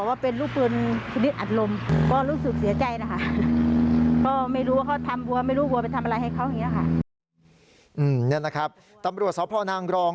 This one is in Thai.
นี่นะครับตำรวจสพนางรอง